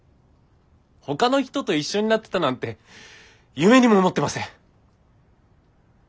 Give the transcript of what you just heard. ほかの人と一緒になってたなんて夢にも思ってません。